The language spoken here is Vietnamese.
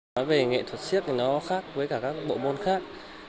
nói về nghệ thuật siếc thì nó khác với cả các bộ môn khác